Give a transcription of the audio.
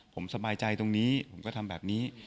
ผมสบายใจตรงนี้ผมก็ทำแบบนี้